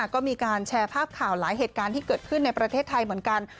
ก็มีการแชร์ภาพข่าวหลายเหตุการณ์ที่เกิดขึ้นในประเทศไทยเหมือนกัน